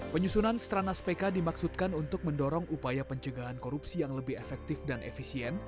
penyusunan stranas pk dimaksudkan untuk mendorong upaya pencegahan korupsi yang lebih efektif dan efisien